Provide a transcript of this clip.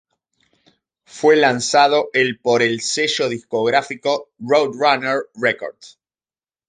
Fue lanzado el por el sello discográfico Roadrunner Records.